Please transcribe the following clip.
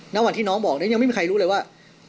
ณวันที่น้องบอกยังไม่มีใครรู้เลยว่า